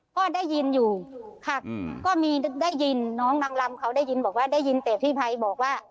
ก็ได้ยินอยู่ค่ะก็มีได้ยินน้องนางลำเขาได้ยินบอกว่าได้ยินแต่พี่ภัยบอกว่า